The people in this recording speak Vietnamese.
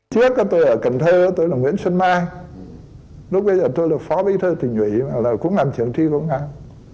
trước tôi ở cần thơ tôi là nguyễn xuân mai lúc bấy giờ tôi là phó bí thơ tình nguyện mà cũng làm trưởng ti công an